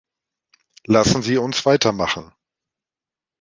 Lassen Sie uns weitermachen.